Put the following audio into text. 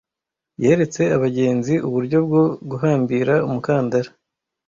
Yeretse abagenzi uburyo bwo guhambira umukandara.